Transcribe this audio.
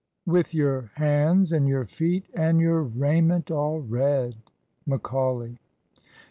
With your hands and your feet and your raiment all red. Macaulay.